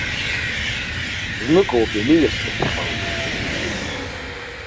Зныкоуп ианыҩасырҳәхьоу.